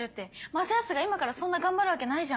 正恭が今からそんな頑張るわけないじゃん。